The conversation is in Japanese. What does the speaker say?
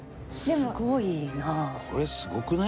すごいな。